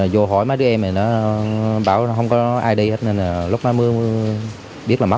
vô hỏi mấy đứa em thì bảo không có ai đi hết nên là lúc đó mưa mưa biết là mất